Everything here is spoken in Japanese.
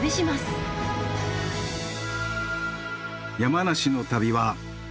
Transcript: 山梨の旅は。